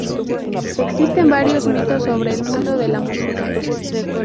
Existen varios mitos sobre el mundo de la música